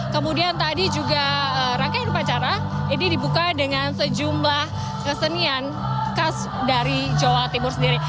kemudian tadi juga rangkaian upacara ini dibuka dengan sejumlah kesenian khas dari jawa timur sendiri